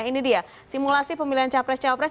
ini dia simulasi pemilihan capres capres